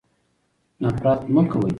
نفرت مه کوئ.